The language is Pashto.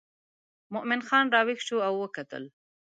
مومن خان راویښ شو او وکتل.